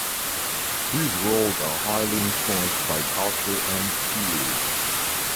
These roles are highly influenced by culture and peers.